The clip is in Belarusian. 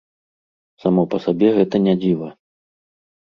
Само па сабе гэта не дзіва.